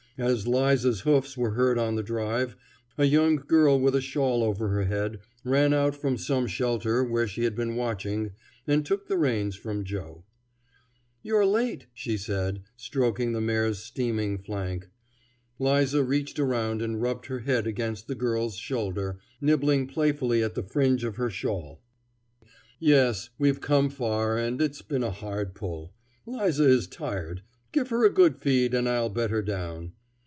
As 'Liza's hoofs were heard on the drive, a young girl with a shawl over her head ran out from some shelter where she had been watching, and took the reins from Joe. "You're late," she said, stroking the mare's steaming flank. 'Liza reached around and rubbed her head against the girl's shoulder, nibbling playfully at the fringe of her shawl. "Yes; we've come far, and it's been a hard pull. 'Liza is tired. Give her a good feed, and I'll bed her down.